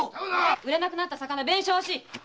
売れなくなった魚弁償おし！